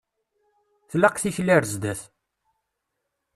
Tlaq tikli ar zdat.